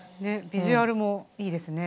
ビジュアルもいいですね。